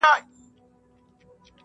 د استعماري حالت څخه وروسته